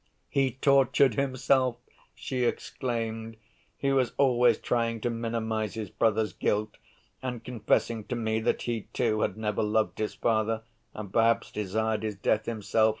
"He tortured himself," she exclaimed, "he was always trying to minimize his brother's guilt and confessing to me that he, too, had never loved his father, and perhaps desired his death himself.